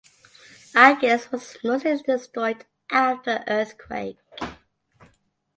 Algiers was mostly destroyed after earthquake.